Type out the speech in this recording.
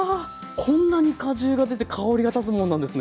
こんなに果汁が出て香りが立つもんなんですね。